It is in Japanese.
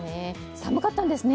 寒かったんですね。